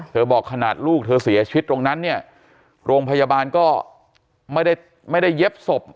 บอกขนาดลูกเธอเสียชีวิตตรงนั้นเนี่ยโรงพยาบาลก็ไม่ได้เย็บศพ